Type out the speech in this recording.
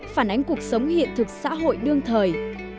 phản ánh cuộc sống hiện thực xã hội đương thời